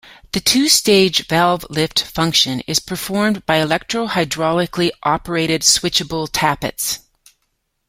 The two-stage valve-lift function is performed by electro-hydraulically operated switchable tappets.